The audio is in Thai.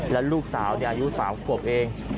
แล้วลูกสาวอายุ๓ขวบเอง